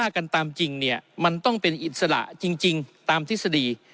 กันตามจริงเนี่ยมันต้องเป็นอิสระจริงตามทฤษฎี